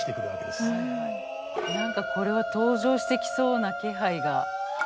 何かこれは登場してきそうな気配が。